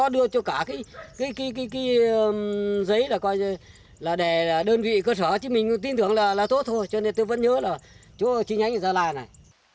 để đơn vị cơ sở mình tin tưởng là tốt thôi cho nên tôi vẫn nhớ là chú trinh anh ở gia lai này